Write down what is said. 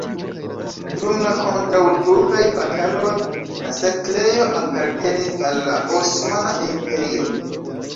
Dum la kontraŭturkaj bataloj la setlejo apartenis al la Osmana Imperio.